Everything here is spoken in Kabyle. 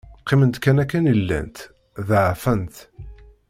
Qqiment kan akken i llant, ḍeɛfent.